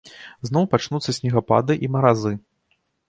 Зноў пачнуцца снегапады і маразы.